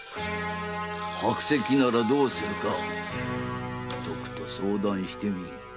白石ならどうするかとくと相談してみよ。